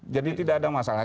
jadi tidak ada masalah